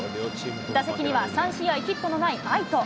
打席には３試合、ヒットのない愛斗。